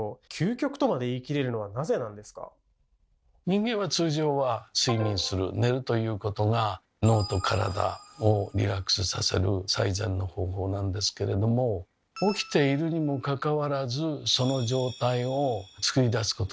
人間は通常は睡眠する寝るということが脳と体をリラックスさせる最善の方法なんですけれども起きているにもかかわらずその状態をつくり出すことができると。